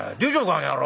あの野郎」。